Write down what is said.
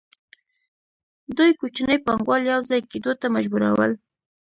دوی کوچني پانګوال یوځای کېدو ته مجبورول